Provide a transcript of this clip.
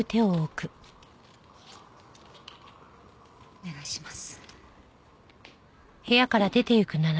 お願いします。